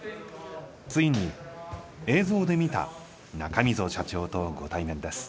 ついに映像で見た中溝社長とご対面です。